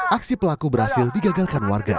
aksi pelaku berhasil digagalkan warga